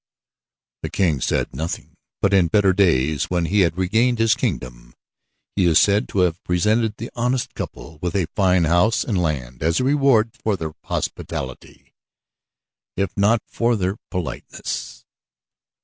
The king said nothing, but in better days when he had regained his kingdom, he is said to have presented the honest couple with a fine house and land as a reward for their hospitality, if not for their politeness.